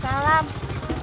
ke tenang selip apa